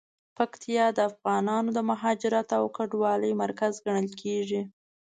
پکتیکا د افغانانو د مهاجرت او کډوالۍ مرکز ګڼل کیږي.